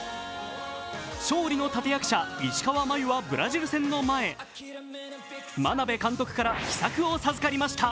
勝利の立役者・石川真佑はブラジル戦の前、眞鍋監督から秘策を授かりました。